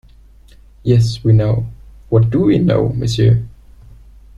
Yes, we know — what do we know, monsieur?